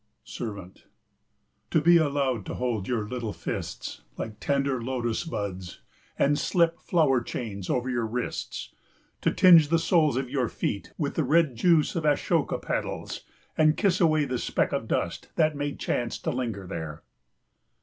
SERVANT. To be allowed to hold your little fists like tender lotus buds and slip flower chains over your wrists; to tinge the soles of your feet with the red juice of ashoka petals and kiss away the speck of dust that may chance to linger there.